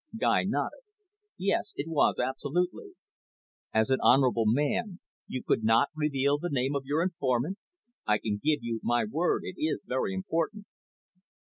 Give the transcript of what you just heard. Guy nodded. "Yes, it was, absolutely." "As an honourable man, you could not reveal the name of your informant? I can give you my word, it is very important."